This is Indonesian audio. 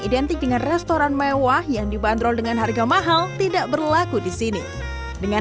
identik dengan restoran mewah yang dibanderol dengan harga mahal tidak berlaku di sini dengan